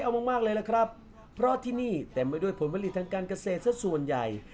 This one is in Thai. เอามากมากเลยล่ะครับเพราะที่นี่เต็มไปด้วยผลผลิตทางการเกษตรสักส่วนใหญ่